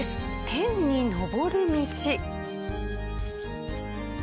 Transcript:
天に昇る道。